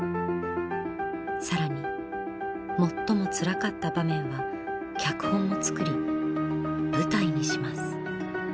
更に最もつらかった場面は脚本も作り舞台にします。